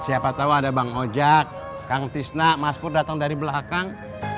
siapa tahu ada bang ojak kang tisna mas pur datang dari belakang